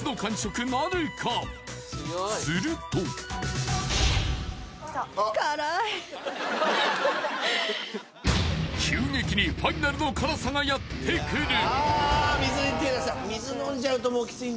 すると急激にＦｉｎａｌの辛さがやってくる！